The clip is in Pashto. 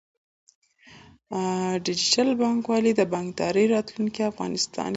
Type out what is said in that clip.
ډیجیټل بانکوالي د بانکدارۍ راتلونکی په افغانستان کې دی۔